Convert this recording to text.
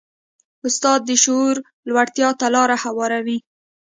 استاد د شعور لوړتیا ته لاره هواروي.